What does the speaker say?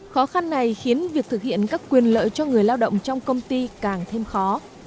khó khăn này khiến việc thực hiện các quyền lợi cho người lao động trong công ty càng thêm khó